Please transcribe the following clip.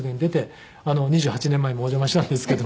２８年前もお邪魔したんですけども。